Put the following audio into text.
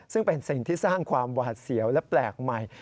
ซึ่งเป็นสิ่งที่สร้างความหวาดเสียวและแปลกใหม่